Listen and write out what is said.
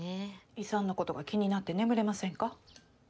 遺産のことが気になって眠れませんか？